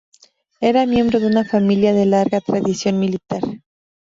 Era miembro de una familia de larga tradición militar.